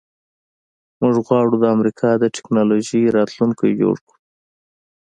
موږ غواړو د امریکا د ټیکنالوژۍ راتلونکی جوړ کړو